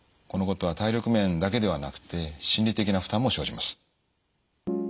このことは体力面だけではなくて心理的な負担も生じます。